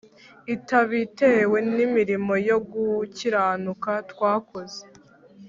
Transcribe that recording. itabitewe n'imirimo yo gukiranuka twakoze,